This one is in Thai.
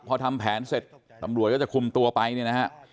พอทำแผนเสร็จตำรวจก็จะคุมตัวไปเนี่ยนะฮะ